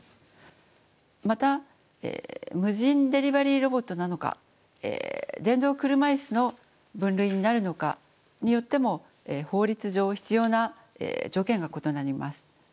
また無人デリバリーロボットなのか電動車いすの分類になるのかによっても法律上必要な条件が異なります。